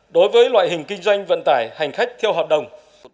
đối với loại hình kinh doanh vận tải hành khách theo hợp đồng